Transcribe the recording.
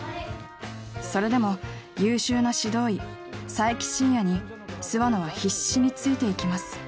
それでも優秀な指導医冴木真也に諏訪野は必死について行きます